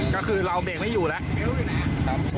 ก็คือเราเบรกไม่อยู่แล้ว